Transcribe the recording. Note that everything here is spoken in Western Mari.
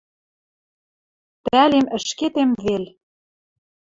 Пӓлем ӹшкетем вел.